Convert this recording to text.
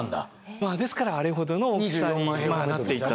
まあですからあれほどの大きさになっていったと。